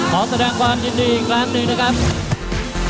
ขอแสดงความยินดีอีกครั้งหนึ่งนะครับ